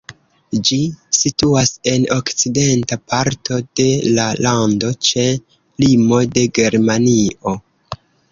Ĝi situas en okcidenta parto de la lando ĉe limo de Germanio.